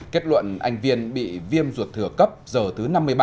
kết luận anh viên bị viêm ruột thừa cấp giờ thứ năm mươi ba